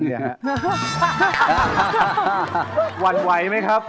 หวั่นไหวไหมครับ